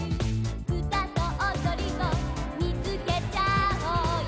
「うたとおどりを見つけちゃおうよ」